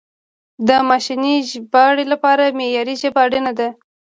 د ماشیني ژباړې لپاره معیاري ژبه اړینه ده.